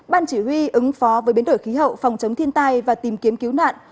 ban chỉ huy ứng phó với biến đổi khí hậu phòng chống thiên tai và tìm kiếm cứu nạn